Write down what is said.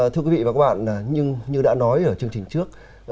thưa quý vị và các bạn nhưng như đã nói ở chương trình trước